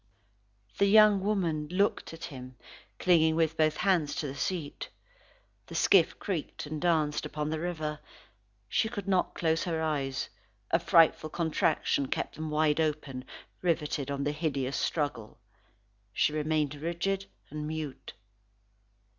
The young woman looked at him, clinging with both hands to the seat. The skiff creaked and danced upon the river. She could not close her eyes, a frightful contraction kept them wide open riveted on the hideous struggle. She remained rigid and mute.